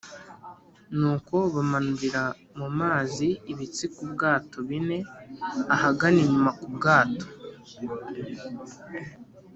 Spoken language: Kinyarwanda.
Nuko bamanurira mu mazi ibitsika ubwato bine ahagana inyuma ku bwato